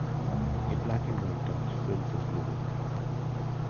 A black and white dog swims in blue water.